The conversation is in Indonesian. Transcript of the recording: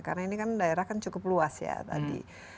karena ini kan daerah kan cukup luas ya tadi